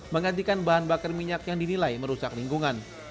menggantikan bahan bakar minyak yang dinilai merusak lingkungan